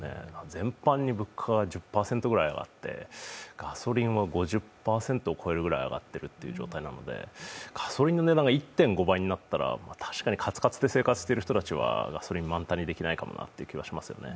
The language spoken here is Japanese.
全般に物価が１０％ぐらい上がってガソリンは５０％ぐらい上がっているっていう状況なのでガソリンの値段が１．５倍杯になったら、確かにかつかつで生活している人たちはガソリン満タンにできないかもしれないなという気がしますね。